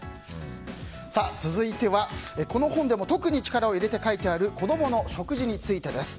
続いては、この本でも特に力を入れて書いてある子供の食事についてです。